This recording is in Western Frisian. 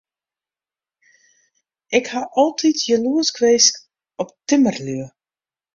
Ik haw altyd jaloersk west op timmerlju.